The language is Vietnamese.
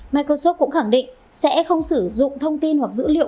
microsoft cũng khẳng định sẽ không sử dụng thông tin hoặc dữ liệu